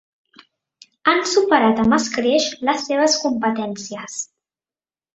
Han superat amb escreix les seves competències.